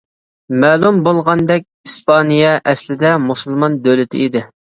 مەلۇم بولغاندەك ئىسپانىيە ئەسلىدە مۇسۇلمان دۆلىتى ئىدى.